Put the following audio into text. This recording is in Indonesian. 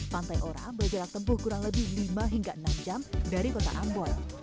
pantai ora berjarak tempuh kurang lebih lima hingga enam jam dari kota ambon